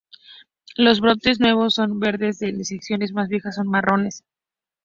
Los brotes nuevos son verdes, las secciones más viejas son marrones.